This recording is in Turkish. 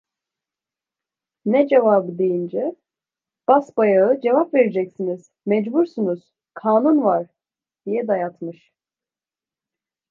Ne cevabı, denince: "Basbayağı cevap vereceksiniz! Mecbursunuz! Kanun var!" diye dayatmış.